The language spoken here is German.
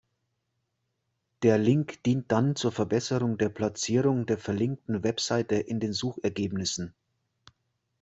Der Link dient dann zur Verbesserung der Platzierung der verlinkten Webseite in den Suchergebnissen.